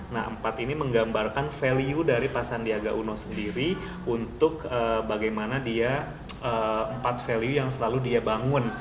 nah empat ini menggambarkan value dari pak sandiaga uno sendiri untuk bagaimana dia empat value yang selalu dia bangun